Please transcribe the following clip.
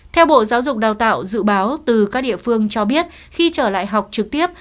theo bộ giáo dục đào tạo dự báo từ các địa phương cho biết khi trở lại học trực tiếp